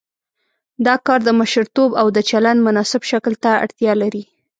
دا کار د مشرتوب او د چلند مناسب شکل ته اړتیا لري.